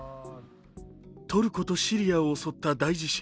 トルコとシリアを襲った大地震。